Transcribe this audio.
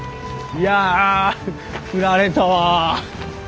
いや振られたわ。